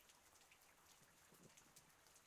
پښتون په همدې پیژندل کیږي.